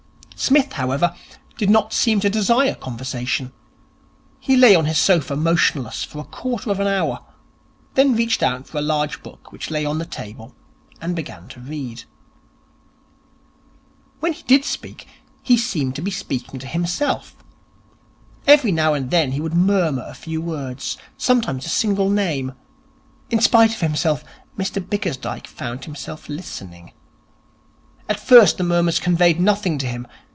Psmith, however, did not seem to desire conversation. He lay on his sofa motionless for a quarter of an hour, then reached out for a large book which lay on the table, and began to read. When he did speak, he seemed to be speaking to himself. Every now and then he would murmur a few words, sometimes a single name. In spite of himself, Mr Bickersdyke found himself listening. At first the murmurs conveyed nothing to him.